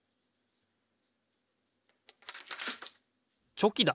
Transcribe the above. チョキだ！